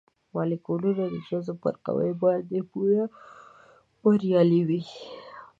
مالیکولونه د جذب پر قوې باندې پوره بریالي وي.